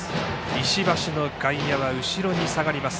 石橋の外野は後ろに下がります。